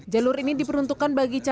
jalur ini diperuntukkan bagi calon penumpang